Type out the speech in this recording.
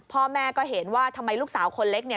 พ่อแม่ก็เห็นว่าทำไมลูกสาวคนเล็กเนี่ย